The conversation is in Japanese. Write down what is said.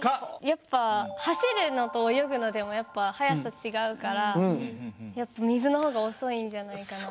やっぱ走るのと泳ぐのでも速さ違うから水の方が遅いんじゃないかなと。